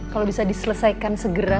kalo bisa diselesaikan segera